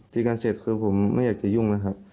ตีกันเสร็จคือผมไม่อยากจะยุ่งนะครับ